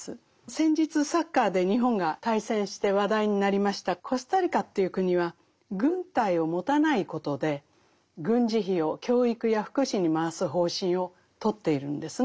先日サッカーで日本が対戦して話題になりましたコスタリカという国は軍隊を持たないことで軍事費を教育や福祉に回す方針をとっているんですね。